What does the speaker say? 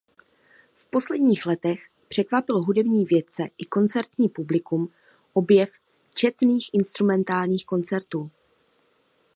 V posledních letech překvapil hudební vědce i koncertní publikum objev četných instrumentálních koncertů.